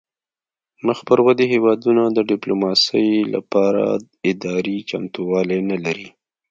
مخ پر ودې هیوادونه د ډیپلوماسي لپاره اداري چمتووالی نلري